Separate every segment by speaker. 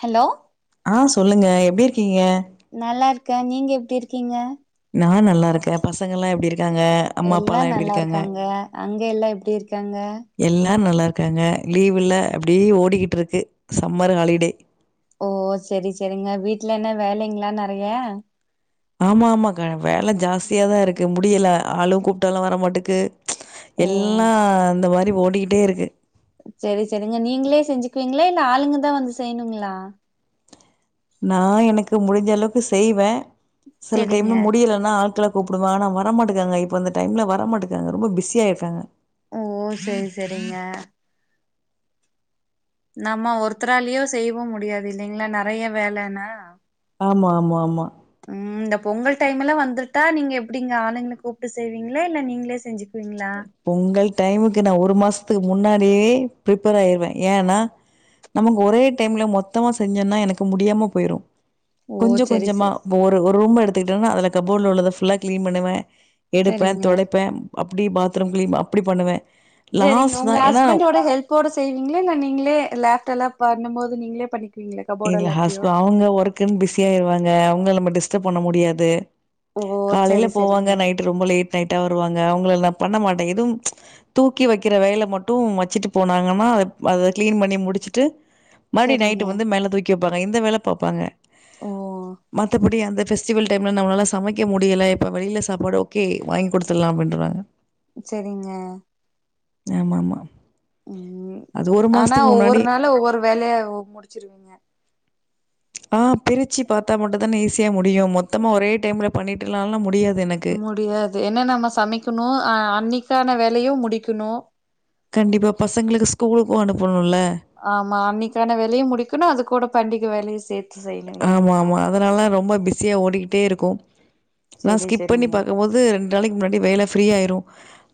Speaker 1: Hello
Speaker 2: ஆ சொல்லுங்க எப்டி இருக்கீங்க
Speaker 1: நல்லா இருக்க நீங்க எப்டி இருக்கீங்க
Speaker 2: நா நல்லா இருக்க பசங்கலா எப்டி இரு
Speaker 1: எல்லா நல்லா இருக்காங்க அங்க எல்லா எப்டி இருக்காங்க
Speaker 2: ஹ நல்லா இருக்காங்க லீவுல அப்டியே ஓடிக்கிட்டு இருக்கு சம்மர் ஹாலிடே
Speaker 1: ஓ சரி சரிங்க வீட்ல என்ன வேலைங்ளா நறைய
Speaker 2: ஆமா ஆமா க வேலை ஜாஸ்தியாதா இருக்கு முடில ஆளு கூப்ட்டால்லா வரமாட்டுக்கு
Speaker 1: ஓ
Speaker 2: எல்லா இந்த மாரி ஓடிகிட்டே இருக்கு
Speaker 1: சரி சரிங்க நீங்ளே செஞ்சுக்குவீங்ளா இல்ல ஆளுங்கதா வந்து செய்ணுங்ளா
Speaker 2: நா எனக்கு முடிஞ்ச அளவுக்கு செய்வ சில டைம்
Speaker 1: செரிங்க
Speaker 2: முடிலன்னா ஆட்களை கூப்டுவ ஆனா வர மாட்டுக்ராங்க இப்ப அந்த டைம்ல வரமாட்டுக்ராங்க ரொம்ப பிஸியாய்ராங்க
Speaker 1: ஓ சரி சரிங்க நம்ம ஒருத்தராளியோ செயவு முடியாது இல்லைங்ளா நறைய வேலனா
Speaker 2: ஆமா ஆமா ஆமா
Speaker 1: பொங்கல் டைம்லா வந்துட்டா நீங்க எப்டிங்க ஆளுங்கள கூப்ட்டு செய்வீங்கல இல்ல நீங்ளே செஞ்சி
Speaker 2: பொங்கல் டைமுக்கு நான் ஒரு மாஸ் து முன்னாடியே பிரிப்பேர் ஆயிருவ ஏனா நமக்கு ஒரே டைம்ல மொத்தமா செஞ்சோம்னா எனக்கு முடியாம போயிரு
Speaker 1: ஓ
Speaker 2: கொஞ்சோ
Speaker 1: செரி செ
Speaker 2: கொஞ்சமா ஒரு ரூம் எடுத்து திங்கனா அதுல கப்போர்ட்ல உள்ளத புல்லா கிளீன் பண்ணுவ எடுப்ப
Speaker 1: செரிங்க
Speaker 2: தொடைப்ப அப்டி பாத்ரூம் கிளீன் அப்டி பண்ணுவ
Speaker 1: சரிங்க உங்க ஹஸ்பெண்டோட ஹெல்ப்போட செய்வீங்ளா? இல்ல நீங்களே லேப்டல பண்ணும்போது நீங்ளே பண்ணிக்
Speaker 2: இல்ல ஹஸ்ப் அவங்க ஒர்க்ன்னு பிஸியாயிருவாங்க. அவங்ள நம்ம டிஸ்டர்ப் பண்ண முடியாது.
Speaker 1: ஓ
Speaker 2: து காலையில
Speaker 1: செரி
Speaker 2: போவாங்க.
Speaker 1: செரிங்க
Speaker 2: நைட் ரொம்ப லேட் லேட்டா வருவாங்க. அவங்ள நா பண்ண மாட்டே. எதுவும் ப்ச் தூக்கி வெக்கிற வேலை மட்டும் வச்சுட்டு போனாங்கன்னா அத, அத கிளீன் பண்ணி முடிச்சுட்டு மறுபடி
Speaker 1: செரிங்க
Speaker 2: நைட்டு வந்து மேலத் கேட்பாங்க. இந்த வேல பாப்பாங்க
Speaker 1: ஓ
Speaker 2: மத்தபடி அந்த பெஸ்டிவல் டைம்ல நம்மளால சமைக்க முடியல. இப்ப வெளியில சாப்பாடு ஓகே வாங்கி குடுத்துடலாம் அப்டின்றாங்க.
Speaker 1: சரிங்க
Speaker 2: ஆமா ஆமா
Speaker 1: உம் ஆனா ஒவ்வொரு நாளு ஒவ்வொரு வேலைய முடிச்சிருவீங்க.
Speaker 2: ஆஹ் பிரிச்சி பாத்தா மட்டுந்தான ஈஸி ஈஸியா முடியும். மொத்தமா ஒரே டைம்ல பண்ணிட்ல்லால முடியாது. எனக்கு.
Speaker 1: முடியாது. என்ன நம்ம சமெக்கணும் அஹ் அஹ் அன்னக்கி க்கான வேலையும் முடிக்கணும்.
Speaker 2: கண்டிப்பா பசங்களுக்கு ஸ்கூலுக்கும் அணுப்பனுல்ல.
Speaker 1: ஆமா அன்னிக்கான வேலையும் முடிக்ணும். அது கூட பெண்டிங் வேலையு செய்
Speaker 2: ஆமா ஆமா அதனால ரொம்ப பிஸியா ஓடிக்கிட்டே இருக்கும். நா
Speaker 1: செரி
Speaker 2: ஸ்கிப் பண்ணி
Speaker 1: செரிங்க
Speaker 2: பாக்கம்போது ரெண்டு நாளக்கி முன்னாடியே வேலை ஃப்ரீ ஆயிரும்.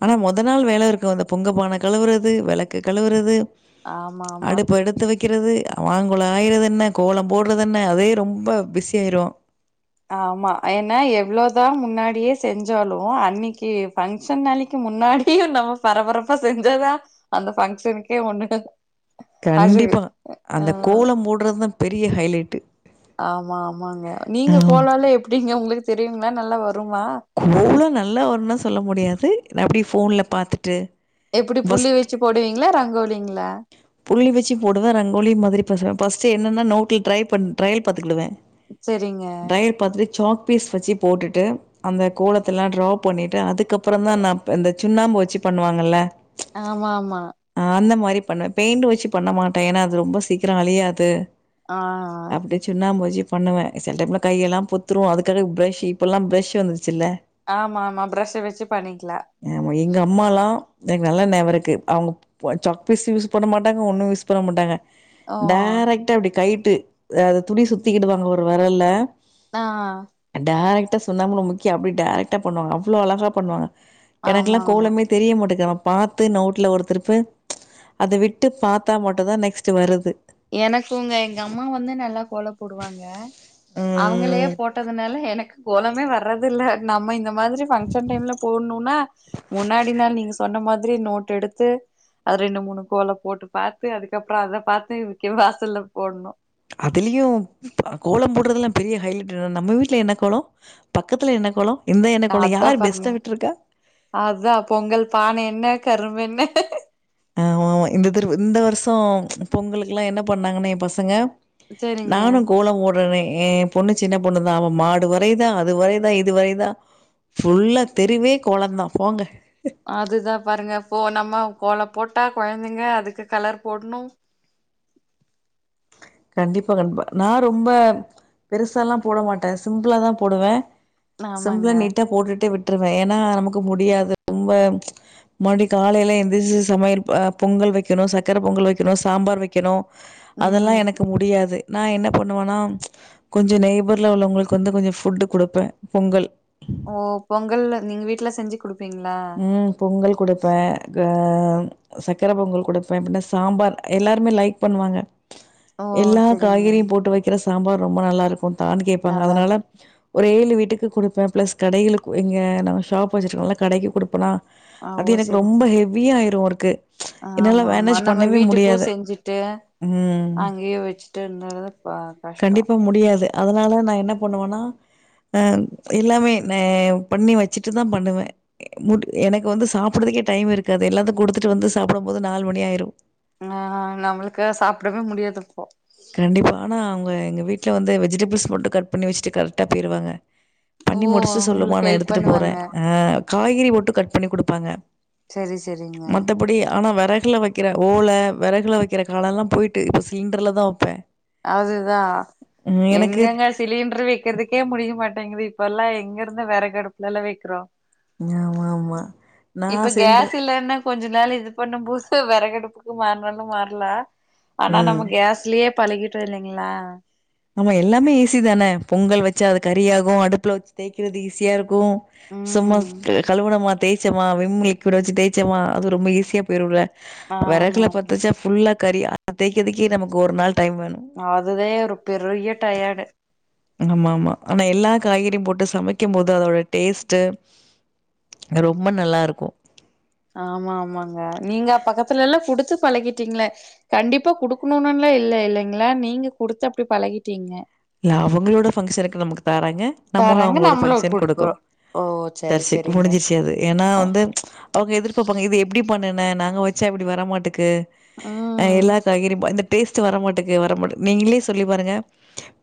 Speaker 2: ஆனால் மொத நாள் வேல இருக்கும். அந்த பொங்க பானை கழுவுறது வெளக்கு கழுவுறது
Speaker 1: ஆமா ஆமா
Speaker 2: வக்கிறது மாங்கொல ஆய்றதென்ன? கோலம் போட் றதென்ன அதே ரொம்ப பிஸி ஆயிருவோ.
Speaker 1: ஆமா ஏன்ன எவ்ளோதா முன்னாடியே செஞ்சாலும் அன்னிக்கி பங்க்ஷன் நாளைக்கி முன்னாடியும் நம்ம பரபரப்பா செஞ்சா தா அந்த பங்க்ஷனுக்கே ஒண்ணு அழகு
Speaker 2: கண்டிப்பா,
Speaker 1: ஆ
Speaker 2: அந்த கோலம் போட்றதா பெரிய ஹைலைட்
Speaker 1: ஆமா ஆமாங்க. நீங்க கோலல்லா எப்டிங்க ஒங்ளு தெரியுங்ளா? நல்லா வரு
Speaker 2: கோலம் நல்லா வரும்ன்னா சொல்ல முடியாது. ந அப்டி ஃபோன்ல்ல பாத்துட்டு
Speaker 1: எப்டி புள்ளி வச்சி போடுவீங்ளா? ரங்கோ கோலிங்ளா?
Speaker 2: புள்ளி வச்சி போடுவே. ரங்கோலி மாதிரி பச பஸ்ட்டு என்னென்ன நோட்ல ட்ரை பண் ட்ரையல் பாத்துக்குடுவே.
Speaker 1: சரிங்க
Speaker 2: ட்ரையல் பாத்துட் சாக் பீஸ் வச்சி போட்டுட்டு அந்த கோலத்தெல்லா ட்ரா பண்ணிட்டு அதுக்கப்பறந்தா நா ப, இந்த சுண்ணாம்பு வச்சு பண்ணுவாங்கல்ல
Speaker 1: ஆமா ஆமா
Speaker 2: அந்த மாரி பண்ணுவே பெயிண்டு வச்சு பண்ண மாட்டே ஏனா அது ரொம்ப சீக்கிரோ அழியாது
Speaker 1: ஆ
Speaker 2: அப்டி சுண்ணாம்பு வச்சு பண்ணுவே சில டைம்ல கையெல்லா பொத்துரு அதுக்காக பிரஷு இப்பல்லா பிரஷு வந்து
Speaker 1: ஆமா ஆமா பிரஷ்ஷ வெச்சு பண்ணிக்லா
Speaker 2: ங்கம்மாலா எனக்கு நல்லா ஞாபோ இருக்கு அவங்க [unintelligible] சாக் பிஸு யூஸு பண்ண மாட்டாங்க ஒன்னு யூஸ் பண்ண மாட்டாங்க
Speaker 1: ஓ
Speaker 2: டேரக்ட்டா இப்டி கை ட்டு அது துணி சுத்திக்கிடுவாங்க ஒரு வெரல்ல
Speaker 1: ஆஹ்
Speaker 2: ட்டா சுண்ணாம்புல முக்கி அப்டி டேரக்ட்டா பண்ணுவாங்க அவ்ளோ அழகா பண்ணுவாங்க
Speaker 1: ஆமா
Speaker 2: எனக்குலா
Speaker 1: ஆமா
Speaker 2: கோலமே தெரிய மாட்டுக்கு [unintelligible] பாத்து நோட்ல ஒரு திருப்பு அத விட்டு பாத்தா மட்டு தா நெக்ஸ்ட்டு வருது
Speaker 1: எனக்குங்க எங்க அம்மா வந்து நல்லா கோலோ போடுவாங்க அவங்களயே
Speaker 2: ம்
Speaker 1: போட்டதுனால எனக் கோலமே வரதில்ல நம்ம இந்த மாதிரி ஃபங்க்ஷன் டைம்ல போட்ணுனா முன்னாடி நாள் நீங்க சொன்ன மாதிரி நோட் எடுத்து அது ரெண்டு மூணு கோலோ போட்டு பாத்து அதுக்கப்றோ அத பாத்து இது [unintelligible] வாசல்ல போட்ணு
Speaker 2: அதுலயு அ கோலம் போடறதுல்லா பெரிய ஹைலைட் என்னா நம்ம வீட்ல என்ன கோலோ பக்கத்துல என்ன கோலோ இந்த என்ன
Speaker 1: அ
Speaker 2: கோலோ
Speaker 1: அதா
Speaker 2: யார் பெஸ்ட்டா
Speaker 1: [unintelligible]
Speaker 2: விட்டுருக்கா
Speaker 1: அதா பொங்கல் பானை என்ன கரும்பென்ன
Speaker 2: ஆமாமா இந்த தடவ இந்த வருஷோ பொங்கலுக்கெல்லா என்ன பண்ணாங்கன்னா எ பசங்க
Speaker 1: சரிங்க.
Speaker 2: நானு கோலோ போட்றனே ஏ பொண்ணு சின்ன பொண்ணு தா அவ மாடு வரைதா அது வரைதா இது வரைதா ஃபுல்லா தெருவே கோலந்தா போங்க
Speaker 1: அதுதா பாருங்க இப்போ நம்ம கோல போட்டா கொழந்தைங்க அதுக்கு கலர் போட்ணு
Speaker 2: கண்டிப்பா [unintelligible] நா ரொம்ப பெருசால்லா போட மாட்டே சிம்பிளாதா போடுவே
Speaker 1: ஆமாங்க.
Speaker 2: சிம்பிளா நீட்டா போட்டுட்டே விட் ருவே ஏன்னா நமக்கு முடியாது ரொம்ப [unintelligible] காலைல எந்திருச்சு சமையல் அ, பொங்கல் வெக்கணு, சக்கர பொங்கல் வெக்கணு, சாம்பார் வெக்கணு அதெல்லா
Speaker 1: ம்.
Speaker 2: எனக்கு முடியாது நா என்ன பண்ணுவனா கொஞ்ச நெய்பர்ல உள்ளவங்கள்க் வந்து கொஞ்சோ ஃபுட்டு் குடுப்பே பொங்கல்
Speaker 1: ஓ! பொங்கல் நீங்க வீட்ல செஞ்சு குடுப்பீங்களா?
Speaker 2: ம் பொங்கல் கொடுப்பேன் சக்கரை பொங்கல் ஆ கொடுப்பேன்ப்படின்னா சாம்பார் எல்லாருமே லைக் பண்ணுவாங்க
Speaker 1: ஓ!
Speaker 2: எல்லா
Speaker 1: சரிங்க.
Speaker 2: காய்கறியும் போட்டு வைக்கிற சாம்பார் ரொம்ப நல்லாருக்கும் தான்
Speaker 1: நல்லா இருக்கு.
Speaker 2: கேப்பாங்க ஒரே ஏழு வீட் க்கு கொடுப்பேன் பிளஸ் கடைளுக்கு எங்க நம்ஷாப் வச்சிருக்காம்லகடைக்கு. குடுப்பணா
Speaker 1: ஆ ஓ!
Speaker 2: அது எனக்கு
Speaker 1: சரி,
Speaker 2: ரொம்ப
Speaker 1: சரி.
Speaker 2: ஹெவியாயிரும் ஒரு. [unintelligible]
Speaker 1: ஆமா ஆமா நம்ம வீட்டுக்கும் செஞ்சுட்டு,
Speaker 2: ம்
Speaker 1: அங்கேயே வச்சுனு க கஷ்டம்
Speaker 2: கண்டிப்பா முடியாது. அதனால நான் என்ன பண்ணுவன்னா ஆ எல்லாமே நான் பண்ணி வச்சுட்டு தான் பண்ணுவேன். [unintelligible] ஏன்
Speaker 1: ஆஹ் நம்மளுக்கு சாப்பிடவே முடியாதுப்போ.
Speaker 2: கண்டிப்பா. ஆனா அவங்க எங்க வீட்லவந்து வெஜிடேப்ள்ஸ் மட்டும் கட்பண்ணி வச்சுட்டு கரெக்டாபோயிருவாங்க.
Speaker 1: ஓ
Speaker 2: பண்ணி முடிச்சுட்டு சொல்லுமா
Speaker 1: உங்களுக்கு
Speaker 2: நான்
Speaker 1: ஹெல்ப்
Speaker 2: எடுத்துட்டு போறன்.
Speaker 1: பண்ணுவாங்க
Speaker 2: ஆஹ் காய்கறிமட்டு கட் பண்ணி குடுப்பாங்க.
Speaker 1: சரி சரிங்க
Speaker 2: மத்தபடி ஆனா வேற விறகுல வைக்கிற ஓல வெறகுல வைக்கிற காலம்போயி்ட்டு இப்போ சிலிண்டர்ல தான். ப்ப
Speaker 1: அதுதான், எங்கெங்க சிலிண்டர் வெக்கிறதுக்கே முடிய மாட்டேங் [unintelligible] இப்பெல்லாம் எங்கருந்து வெறகடுப்புலல்லாம் வைக்கிறோம்.
Speaker 2: ஆமா ஆமா
Speaker 1: இப்ப
Speaker 2: நான் சென்ற
Speaker 1: கேஸ் இல்லன்னா கொஞ்ச நாள் இது பண்ணும் போது வெறகடுப்புக்கு மாறினாலும் மாறலாம் ஆனா
Speaker 2: ம்.
Speaker 1: நம்ம கேஸ்லயே பழகிட்டோ இல்லைங்கலா
Speaker 2: ஆம எல்லாமே ஈஸி தானே பொங்கல் வச்சா அது கரியாகும் அடுப்புல வச்சு தேய்க்கறது ஈஸியா இருக்கும் க்கு சும்மா
Speaker 1: ம்
Speaker 2: கலுவண மா தேய்சமா விம் லிக்விட் வச்சுதேய்ச்சமா அது ரொம்ப ஈஸியா போய்ரும்ல
Speaker 1: ஆமா
Speaker 2: விறகுல பத்தச்சா ப்புல்லா கறி ஆன தேய்க்கிறதுக்கே நமக்கு ஒரு நாள் டைம் வேணும்.
Speaker 1: அதுதே [unintelligible] பெருய்ய டயர்டு.
Speaker 2: ஆமா ஆமா ஆனா எல்லா காய்கறியும் போட்டு சமைக்கும் போது அதோட டேஸ்ட்டு ரொம்ப நல்லாருக்கும்.
Speaker 1: ஆமா ஆமாங்க நீங்க பக்கத்துலல்லாம் குடுத்து பழகிட்டீங்கள கண்டிப்பா குடுக்கணும்னுல்லா இல்ல இல்லைங்களா நீங்க குடுத்து அப்படி பழகிட்டீங்க
Speaker 2: அவங்களோட ஃபங்க்ஷனுக்கு நமக்கு றங்க நம்மளும்
Speaker 1: தராங்க
Speaker 2: அவங்களோட
Speaker 1: நம்மளு
Speaker 2: ஃபங்க்ஷனுக்கு
Speaker 1: குடுக்குறோ
Speaker 2: குடுக்கும்
Speaker 1: ஓ சரி
Speaker 2: தரிச
Speaker 1: சரிங்க
Speaker 2: முடிஞ்ச்சிச்சிது
Speaker 1: ஆ
Speaker 2: ஏனாவந்து அவங்க எதிர்பார்ப்பாங்க இதுஎப்படி பண்ண நா நாங்க வச்சா அப்படி வரமாட்டேக்கு. அஹ்
Speaker 1: ம்
Speaker 2: எல்லா காய்கறி டேஸ்ட் வர மாட்டேக்கு வர மாட்ட நீங்களே சொல்லி பாருங்க.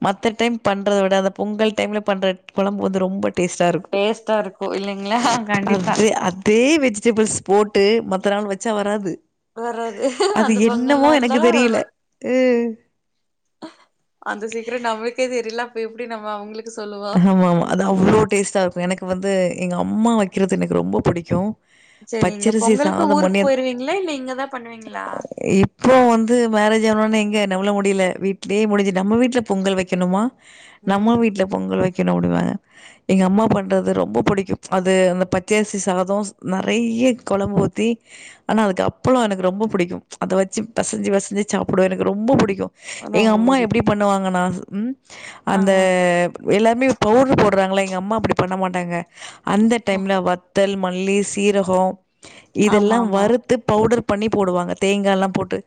Speaker 2: மத்த டைம் பண்றத விட அந்த பொங்கல் டைம்ல பண்ற கொழம்பு வந்து ரொம்ப டேஸ்டா இருக்கு
Speaker 1: டேஸ்ட்டா இருக்கு இல்லைங்களா கண்டிப்பா
Speaker 2: அதே அதே வெஜிடபிள்ஸ் போட்டு மத்த நாள் வச்சா வராது
Speaker 1: வராது
Speaker 2: அது
Speaker 1: அந்த பொங்கல்
Speaker 2: என்னமோ
Speaker 1: நாள்
Speaker 2: எனக்கு
Speaker 1: தா
Speaker 2: தெரியல
Speaker 1: வரு
Speaker 2: அ
Speaker 1: அந்த சீக்ரெட் நம்ளுக்கே தெரி ல அப்ற எப்டி நம்ம அவங்ளுக்கு
Speaker 2: ஆமா ஆமா அது அவ்ளோ டேஸ்ட்டா இருக்கு எனக்கு வந்து எங்க அம்மா வக்றது எனக்கு ரொம்ப புடிக்கு
Speaker 1: சரிங்க
Speaker 2: பச்சரிசி
Speaker 1: பொங்கலுக்கு
Speaker 2: சாதம்
Speaker 1: ஊருக்கு
Speaker 2: பண்ணி
Speaker 1: போயிருவீங்களா இல்ல இங்கதா பண்ணுவீங்ளா
Speaker 2: இப்போ வந்து மேரேஜ் ஆனஉடனே எங்க நவுர முடியல வீ்ட்லயே முடிஞ்சு நம்ம வீட்ல பொங்கல் வக்கணுமா நம்ம
Speaker 1: ம்
Speaker 2: வீட்ல வெக்கனு அப்டிம்ப எங்க அம்மா பண்றது ரொம்ப புடிக்கு அது அந்த பச்சருசி சாதொ நறைய கொழம்பு ஊத்தி ஆனா அதுக்கு அப்பள எனக்கு ரொம்ப புடிக்கு அத வச்சு பெசஞ்சி பெசஞ்சி சாப்பிடுவ எனக்கு ரொம்ப புடிக்கு எங்க
Speaker 1: ரொம்ப
Speaker 2: அம்மா
Speaker 1: புடிக்
Speaker 2: எப்டி பண்ணுவாங்கன்னா சொ உம் அந்த
Speaker 1: ஆமாங்
Speaker 2: எல்லாமே பவுடுரு போடுறாங்களா எங்க அம்மா அப்டி பண்ண மாட்டாங்க அந்த டைம்ல வத்தல் மல்லி சீரகோ
Speaker 1: ஆமா
Speaker 2: இதெல்லா
Speaker 1: ஆமா
Speaker 2: வறுத்து பவுடர் பண்ணி போடுவாங்க தேங்காலா போட்டு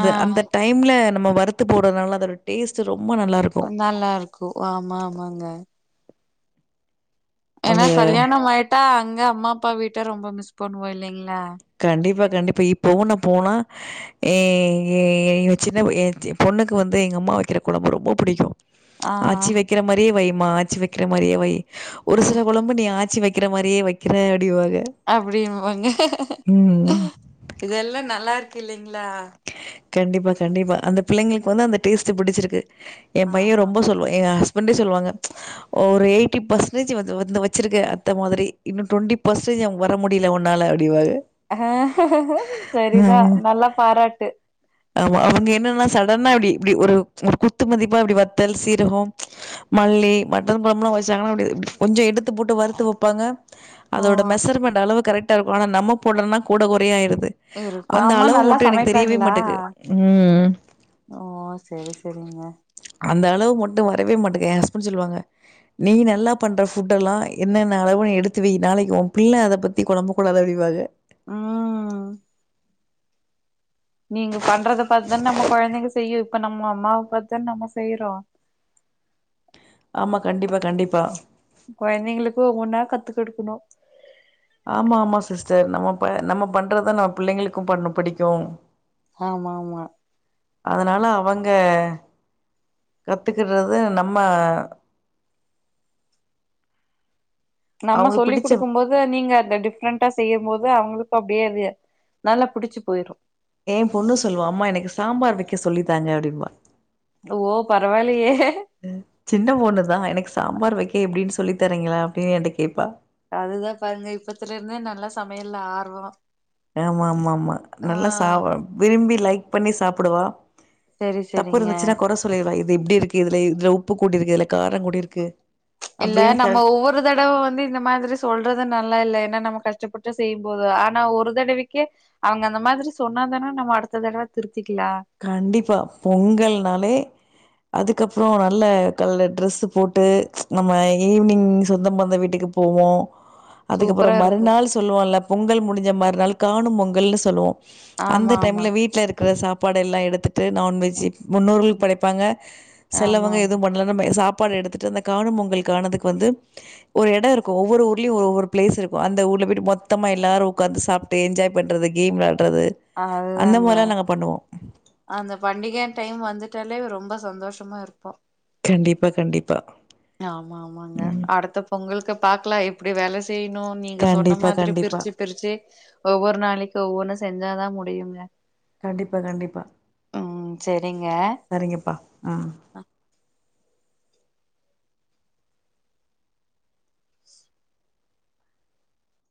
Speaker 1: ஆ
Speaker 2: அந்த டைம்ல நம்ம வறுத்து போடறதுனால அதோட டேஸ்ட் ரொம்ப நல்லாருக்கும்.
Speaker 1: நல்லா இருக்கு ஆமா மாங்காய் ஏன்னா
Speaker 2: அந்த
Speaker 1: கல்யாணம் ஆயிட்டா அங்க அம்மா அப்பா வீட்ட ரொம்ப மிஸ் பண்ணுவோ இல்லைங்
Speaker 2: கண்டிப்பா கண்டிப்பா இப்பவு நா போனா ஏ ஏ ஏ சின்ன பொ எம் பொண்ணுக்கு வந்து எங்க அம்மா வக்கிற கொழம்பு ரொம்ப புடிக்கு
Speaker 1: ஆ
Speaker 2: ஆச்சி வக்ற மாரியே வை மா ஆச்சி வக்கிற மாறியே வை ஒரு சில கொழம்பு நீ ஆ ச்சி வெக்கிற மாறியே வெக்கிற
Speaker 1: அப்டிமாங்க ஹ ஹ
Speaker 2: ம்.
Speaker 1: ஹ இதெல்லா நல்லா இருக்கு இல்லேங்களா
Speaker 2: கண்டிப்பா கண்டிப்பா அந்த பிள்ளேங்களுக்கு வந்து அந்த டேஸ் சு புடிச்சிருக்கு ஏ பையே
Speaker 1: ஆமா.
Speaker 2: ரொம்ப சொல்லுவ எங்க ஹஸ் வண்டு சொல்வாங்க ம்ச் ஒரு எயிட்டி ஃபர்சன்டேஜ் வந்து வந்து வெச்சிருக்க அத்த மாதிரி இன்னு டுவெண்டி பர்சன்டேஜ் அ வர முடியல உன்னால அப்டிவாங்க
Speaker 1: அஹ் செரிதா
Speaker 2: ம்.
Speaker 1: நல்லா பாராட்டு
Speaker 2: ஆமா அவங்க என்னென்னாலா சாப் டன்னா அப்படி இப்படி ஒரு ஒரு குத்துமதிப்பா அப்படி வத்தல் சீரகோ மல்லி மட்டன் கொழபல்ல வச்சாங்கான கொஞ்சோ எடு தது போட்டு வறுத்து வொப்பாங்க
Speaker 1: ஓ
Speaker 2: அதோட மெசர்மெண்ட் அளவு கரெக் டர் போனா அந்த நம்ம போடறன கூட குறையாயிருது து
Speaker 1: இருக்கு
Speaker 2: அந்த
Speaker 1: அம்மா
Speaker 2: அளவு
Speaker 1: நல்லா
Speaker 2: மட்டு எனக்கு தெரியவே
Speaker 1: சமைப்பாங்களா?
Speaker 2: மட்டேங் ஏ உம்
Speaker 1: ஓ சரி சரிங்க.
Speaker 2: அந்த அளவு முட்ட வரவே மாட்டேங்க என் ஹஸ்பண்ட் சொல்லுவாங்க நீ நல்லா பண்ற ஃபுட் எல்லா என்னென்ன அளவுனு எடுத்துவை நாளைக்கு ஊ பிள்ளே அத பத்தி கொழம்பு கூடாது அப்டிவாங்க
Speaker 1: உம் நீங்க பண்றத பாத்துதானே நம்ம கொழந்தைங்க செய்யு இப்ப நம்ம அம்மாவ பாத்துதானே நம்ம செய்றோ
Speaker 2: ஆமா கண்டிப்பா கண்டிப்பா
Speaker 1: கொழந்தேங்களுக்கு ஒவ் ஒன்னா கத்துக்குடுக்கணு
Speaker 2: ஆமா ஆமா சிஸ்டர் நம்ம ப நம்ம பண்றதா நம்ம பிள்ளைங்களுக்கும் பண்ணு பிடிக்கு
Speaker 1: ஆமா ஆமா
Speaker 2: அதனால அவங்க கத்துகிறது நம்ம
Speaker 1: நம்ம
Speaker 2: அவங்களுக்கு
Speaker 1: சொல்லி்
Speaker 2: பிடிச்ச
Speaker 1: குடுக்கும் போது நீங்க அத டிஃப்ரெண்டா செய்யும் போது அவங்களுக் ப அப்டியே அது நல்லா புடிச்சு போயிரு
Speaker 2: ஏ பொண்ணு சொல்லுவா அம்மா எனக்கு சாம்பார் வெக்க சொல்லி தாங்க அப்டின்னுவா
Speaker 1: ஓ பரவாயில்லயே
Speaker 2: சின்ன பொண்ணுதா எனக்கு சாம்பார் வெக்க எப்டின்னுஸ் சொல்லித்தரீங்களா அப்டே என்ட்ட கேப்பா
Speaker 1: அதுதா பாருங்க இப்பத்துல இருந்தே நல்லா சமையல்ல ஆர்வொ
Speaker 2: ஆமா ஆமா ஆமா நல்லா சாவரம் விரும்பி லைக் பண்ணி சாப்புடுவா
Speaker 1: செரி
Speaker 2: தப்பு
Speaker 1: செரிங்க
Speaker 2: இருந்துச்சுன்னா கொற சொல்லிர்ற இர் இது இப்படி இருக்கு இதுல இதுல உப்பு கூட்டிருக்கு இதுல காரங் கூடி இருக்கு
Speaker 1: இல்லே நம்ம ஒவ்வொரு தடவ வந்து இந்த மாதிரி சொல்றது நல்லா இல்லே ஏன்னா நமக் கஷ்டப்பட்டு செய்யும்போது ஆனா ஒரு தடவைக்கே அவங்க அந்த மாதிரி சொன்னாதானே நம்ம அடுத்த தடவை திரு
Speaker 2: கண்டிப்பா பொங்கல்னாலே அதுக்கப்றோ நல்லா கால்ல ட்ரெஸ்சு போட்டு நம்ம ஈவ்னிங் சொந்த பந்த வீட்டுக்கு போவோ அதுக்கப்பறோ
Speaker 1: சூப்பரா இருக்கு
Speaker 2: மறுநாள் சொல்லுவோல பொங்கல் முடிஞ்ச மர் ருநாள் காணும் பொங்கல்ன்னு சொல்லுவாங்
Speaker 1: ஆமா
Speaker 2: அந்த
Speaker 1: ஆமா
Speaker 2: டைம்ல வீட்ல இருக் க சாப் பாடெல்லா எடுத்து டு நான்வெஜ்ஜு
Speaker 1: ம்
Speaker 2: முன்னோர்கள் படைப்பாங்க
Speaker 1: ஆமா
Speaker 2: செலவங்க
Speaker 1: ஆமா
Speaker 2: எதுவும் பண்லன்னா நெறைய சாப் டு எடுத்துட்டு அந்த காணும் பொங்கல் காணதுக்கு வந்து ஒரு எடோ இருக்கு ஒவ்வொரு ஊர்லயு ஒவ்வொரு பிளேஸ் இருக்கு அந்த ஊர்ல போயிட்டு மொத்தமா எல்லாரு ஒக்காந்து சாப்ட்டு என்ஜாய் பண்றது கேம் வெளா ட்றது அந்த
Speaker 1: அதுதாங்க
Speaker 2: மாரிலா நாங்க பண்ணுவோ
Speaker 1: அந்த பண்டிக டைம் வந்துட்டாலே ரொம்ப சந்தோஷமா இருப்போ
Speaker 2: கண்டிப்பா கண்டிப்பா
Speaker 1: ஆமா ஆமாங்க
Speaker 2: ம்
Speaker 1: அடுத்த பொங்கலுக்கு அப் பாக்லா எப்டி வேல செய்ணு நீங்க சொன்ன
Speaker 2: கண்டிப்பா
Speaker 1: மாதிரி
Speaker 2: கண்டிப்பா
Speaker 1: பிரிச்சு பிரிச்சு ஒவ்வொரு நாளைக்கு ஒவ்வொன்னு செஞ் யிதாதா முடியுங்க
Speaker 2: கண்டிப் ப்ப கண்டிப்பா
Speaker 1: ம் செரிங்க
Speaker 2: செரிங்கப்பா ஆ